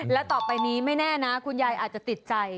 และต่อไปนี้ไม่แน่นะคุณยายอาจจะติดใจ